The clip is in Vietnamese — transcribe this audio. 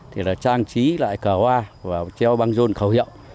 thì là trang trí lại cờ hoa và treo băng rôn khẩu hiệu